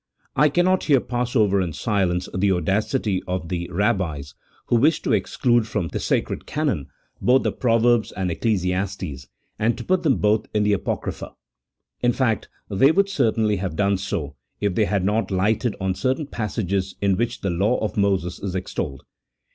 I cannot here pass over in silence the audacity of the "Rabbis who wished to exclude from the sacred canon both 1 See Note 19. CHAP. X.] OF THE PROPHETIC BOOKS. 147 the Proverbs and Ecclesiastes, and to put them both in the Apocrypha. In fact, they would actually have done so, if they had not lighted on certain passages in which the law of Moses is extolled.